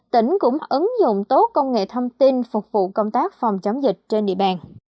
tỉnh cũng ứng dụng tốt công nghệ thông tin phục vụ công tác phòng chống dịch trên địa bàn